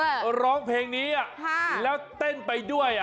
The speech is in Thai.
เพราะร้องเพลงนี้แล้วเต้นไปด้วย